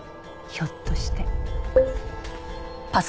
ひょっとして。